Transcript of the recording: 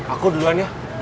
aku duluan ya